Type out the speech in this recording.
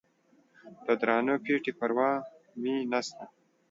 د درانه پېټي پروا مې نسته.